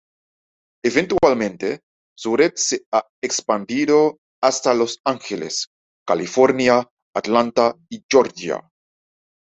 Eventualmente, su red se ha expandido hasta Los Angeles, California, Atlanta y Georgia.